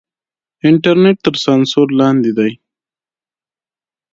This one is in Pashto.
انټرنېټ تر سانسور لاندې دی.